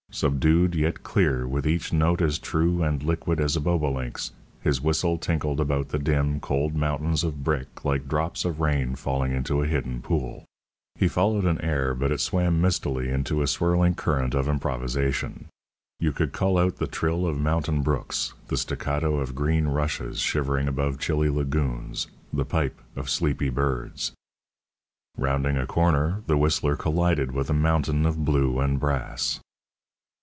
Subdued, yet clear, with each note as true and liquid as a bobolink's, his whistle tinkled about the dim, cold mountains of brick like drops of rain falling into a hidden pool. He followed an air, but it swam mistily into a swirling current of improvisation. You could cull out the trill of mountain brooks, the staccato of green rushes shivering above chilly lagoons, the pipe of sleepy birds. Rounding a corner, the whistler collided with a mountain of blue and brass.